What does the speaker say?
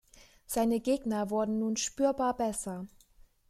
Seine Gegner wurden nun spürbar besser.